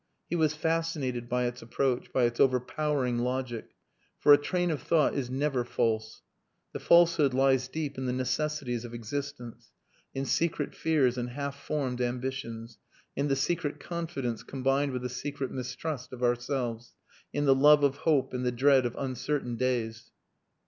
He was fascinated by its approach, by its overpowering logic. For a train of thought is never false. The falsehood lies deep in the necessities of existence, in secret fears and half formed ambitions, in the secret confidence combined with a secret mistrust of ourselves, in the love of hope and the dread of uncertain days.